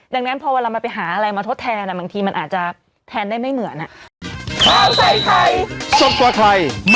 ดังนั้นพอเวลามันไปหาอะไรมาทดแทนบางทีมันอาจจะแทนได้ไม่เหมือน